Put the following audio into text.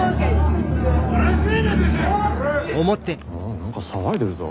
何か騒いでるぞ。